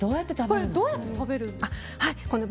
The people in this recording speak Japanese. どうやって食べるの？